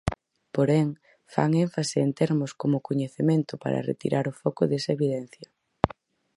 Porén, fan énfase en termos como coñecemento para retirar o foco desa evidencia.